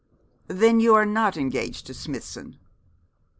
'Then you are not engaged to Smithson?'